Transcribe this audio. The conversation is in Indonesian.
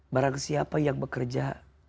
barang siapa yang bekerja